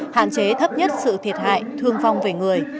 hạn chế thấp nhất sự thiệt hại thương vong về người